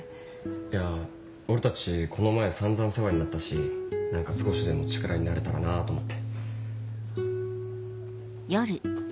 いや俺たちこの前散々世話になったし何か少しでも力になれたらなと思って。